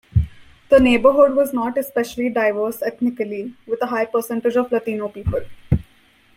The neighborhood was "not especially diverse" ethnically, with a high percentage of Latino people.